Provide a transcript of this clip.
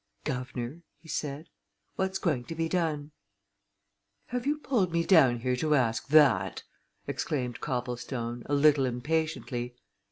"Guv'nor!" he said. "What's going to be done?" "Have you pulled me down here to ask that?" exclaimed Copplestone, a little impatiently.